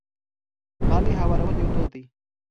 غالۍ هوارول یو دود دی.